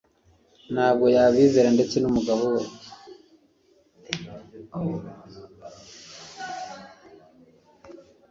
ntabwo yabizera ndetse n'umugabo we